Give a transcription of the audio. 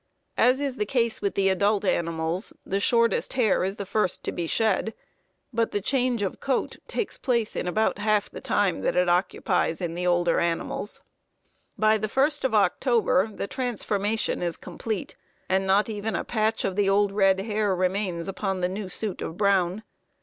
As is the case with the adult animals, the shortest hair is the first to be shed, but the change of coat takes place in about half the time that it occupies in the older animals. By the 1st of October the transformation is complete, and not even a patch of the old red hair remains upon the new suit of brown.